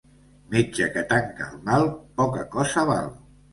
Metge que tanca el mal poca cosa val.